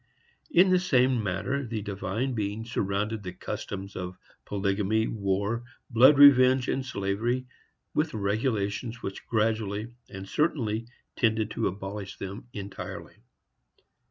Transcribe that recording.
In the same manner the Divine Being surrounded the customs of polygamy, war, blood revenge and slavery, with regulations which gradually and certainly tended to abolish them entirely.